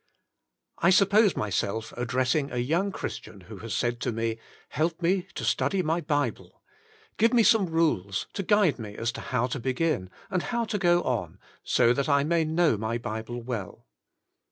I suppose myself addressing a young Christian who has said to me, — Help me to study my Bible. 45 46 The Inner Chamber Give me some rules to guide me as to how to begin, and how to go on, so that I may know my Bible well.